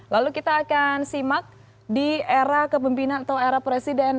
lalu kita akan simak di era kepemimpinan atau era presiden